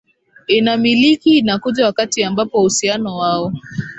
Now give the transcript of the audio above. inamiliki inakuja wakati ambapo uhusiano wao